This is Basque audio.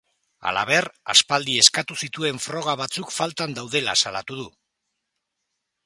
Halaber, aspaldi eskatu zituen froga batzuk faltan daudela salatu du.